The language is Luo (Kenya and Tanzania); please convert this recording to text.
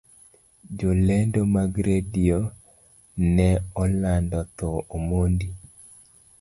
Jolendo mag radio ne olando thoo omondi